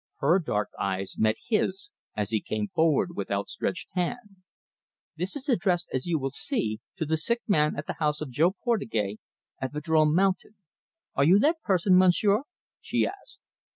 Her dark eyes met his as he came forward with outstretched hand. "This is addressed, as you will see, 'To the Sick Man at the House of Jo Portugais, at Vadrome Mountain.' Are you that person, Monsieur?" she asked.